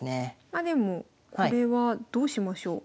まあでもこれはどうしましょう？